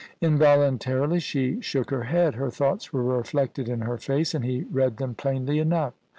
Involuntarily she shook her head ; her thoughts were reflected in her face, and he read them plainly enough.